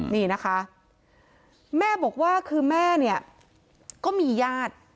นี่นะคะแม่บอกว่าคือแม่เนี่ยก็มีญาติ